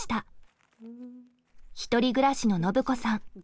１人暮らしのノブ子さん。